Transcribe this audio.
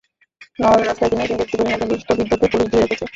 নরওয়ের রাস্তায় তিনি একদিন দেখতে পেলেন একজন দুস্থ বৃদ্ধকে পুলিশ ঘিরে রেখেছে।